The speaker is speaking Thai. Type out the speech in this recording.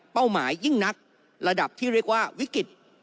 หมายยิ่งนักระดับที่เรียกว่าวิกฤต